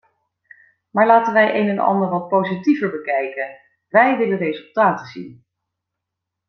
Maar laten wij een en ander wat positiever bekijken, wij willen resultaten zien.